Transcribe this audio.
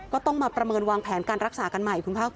ก็ต้องมาประเมินวางแผนการรักษากันใหม่